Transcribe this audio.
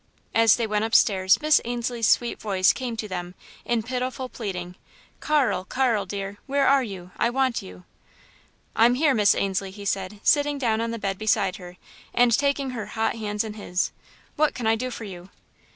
As they went upstairs Miss Ainslie's sweet voice came to them in pitiful pleading: "Carl, Carl, dear! Where are you? I want you!" "I'm here, Miss Ainslie," he said, sitting down on the bed beside her and taking her hot hands in his. "What can I do for you?"